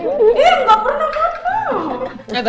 iya gak pernah nggak tau